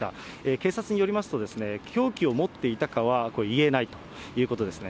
警察によりますと、凶器を持っていたかは言えないということですね。